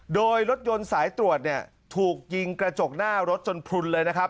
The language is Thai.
โดยรถยนต์สายตรวจเนี่ยถูกยิงกระจกหน้ารถจนพลุนเลยนะครับ